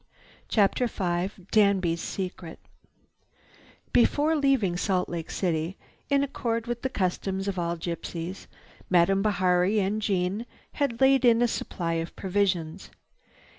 CHAPTER V DANBY'S SECRET Before leaving Salt Lake City, in accord with the customs of all gypsies, Madame Bihari and Jeanne had laid in a supply of provisions.